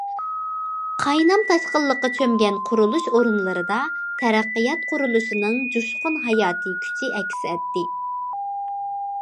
قاينام- تاشقىنلىققا چۆمگەن قۇرۇلۇش ئورۇنلىرىدا تەرەققىيات قۇرۇلۇشىنىڭ جۇشقۇن ھاياتىي كۈچى ئەكس ئەتتى.